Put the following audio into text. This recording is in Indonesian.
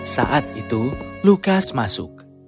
saat itu lukas masuk